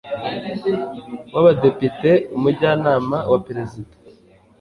w Abadepite Umujyanama wa Perezida